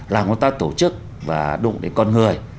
làm chúng ta tổ chức và đụng đến con người